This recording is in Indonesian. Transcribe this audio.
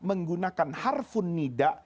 menggunakan harfun nida